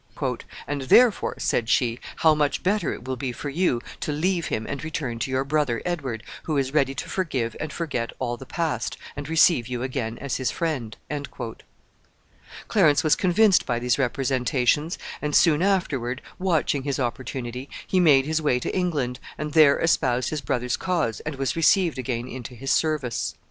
"And therefore," said she, "how much better it will be for you to leave him and return to your brother Edward, who is ready to forgive and forget all the past, and receive you again as his friend." Clarence was convinced by these representations, and soon afterward, watching his opportunity, he made his way to England, and there espoused his brother's cause, and was received again into his service.